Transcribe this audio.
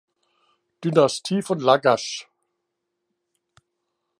Dynastie von Lagasch.